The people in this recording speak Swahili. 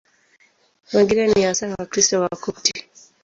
Wengine ni hasa Wakristo Wakopti.